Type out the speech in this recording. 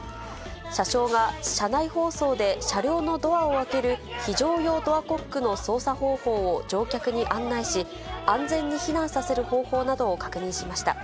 車掌が車内放送で車両のドアを開ける非常用ドアコックの操作方法を乗客に案内し、安全に避難させる方法などを確認しました。